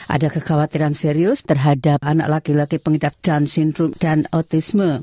ada kekhawatiran serius terhadap anak laki laki pengidap down syndrome dan autisme